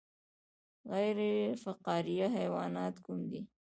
غیر فقاریه حیوانات کوم دي